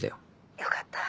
よかった。